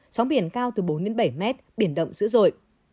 sóng biển cao từ bốn bảy m biển động dữ dội